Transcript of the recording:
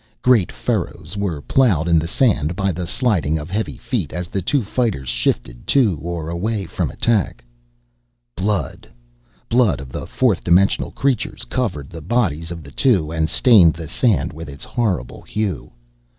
Great furrows were plowed in the sand by the sliding of heavy feet as the two fighters shifted to or away from attack. Blood, blood of fourth dimensional creatures, covered the bodies of the two and stained the sand with its horrible hue.